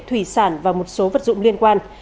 thủy sản và một số vật dụng liên quan